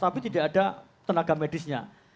tapi tidak ada tenaga medisnya